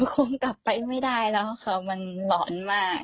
คงกลับไปไม่ได้แล้วค่ะมันหลอนมาก